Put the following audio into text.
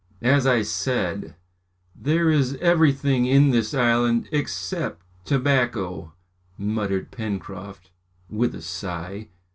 "As I said, there is everything in this island, except tobacco!" muttered Pencroft with a sigh.